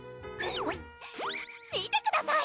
見てください！